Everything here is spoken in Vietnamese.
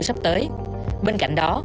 sắp tới bên cạnh đó